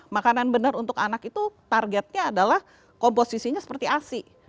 makanan benar untuk anak itu targetnya adalah komposisinya seperti asi